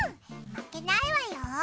負けないわよ。